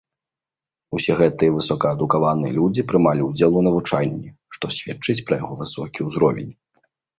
Усе гэтыя высокаадукаваныя людзі прымалі ўдзел у навучанні, што сведчыць пра яго высокі ўзровень.